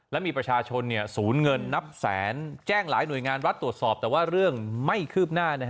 และมีประชาชนศูนย์เงินนับแสนแจ้งหลายหน่วยงานรัฐตรวจสอบแต่ว่าเรื่องไม่คืบหน้า